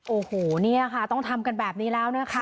โอ้โหเนี่ยค่ะต้องทำกันแบบนี้แล้วนะคะ